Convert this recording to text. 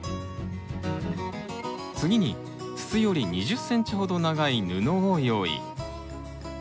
次に筒より２０ｃｍほど長い布を用意。